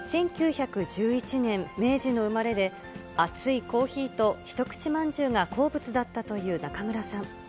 １９１１年、明治の生まれで、熱いコーヒーと一口まんじゅうが好物だったという中村さん。